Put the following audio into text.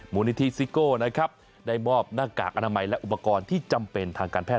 มูลนิธิซิโก้นะครับได้มอบหน้ากากอนามัยและอุปกรณ์ที่จำเป็นทางการแพท